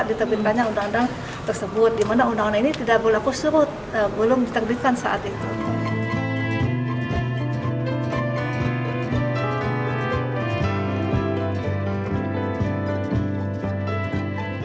kisah kisah yang terjadi di indonesia